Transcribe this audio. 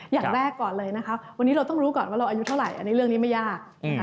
อย่างแรกก่อนเลยวันนี้เราต้องรู้ก่อนว่าเราอายุเท่าไหร่เรื่องนี้ไม่ยาก